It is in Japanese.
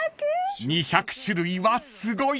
［２００種類はすごい！］